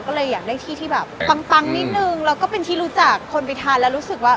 ก็เลยอยากได้ที่ที่แบบปังนิดนึงแล้วก็เป็นที่รู้จักคนไปทานแล้วรู้สึกว่า